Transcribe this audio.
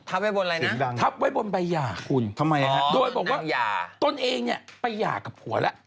ทับไว้บนอะไรนะใบหยาคุณโดยบอกว่าตนเองไปหยากับผัวแล้ว